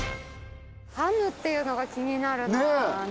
ハムっていうのが気になるな。